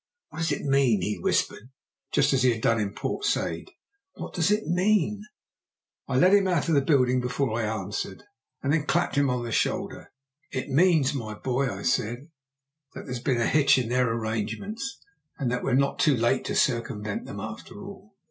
"What does it mean?" he whispered, just as he had done in Port Said. "What does it mean?" I led him out of the building before I answered, and then clapped him on the shoulder. "It means, my boy," I said, "that there's been a hitch in their arrangements, and that we're not too late to circumvent them after all."